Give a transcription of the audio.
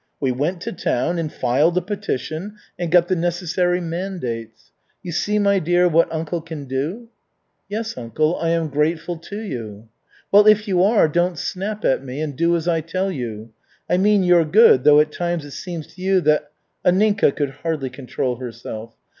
We went to town, and filed a petition and got the necessary mandates. You see, my dear, what uncle can do?" "Yes, uncle, I am grateful to you." "Well, if you are, don't snap at me, and do as I tell you. I mean your good, though at times it seems to you that " Anninka could hardly control herself.